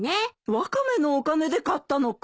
ワカメのお金で買ったのかい？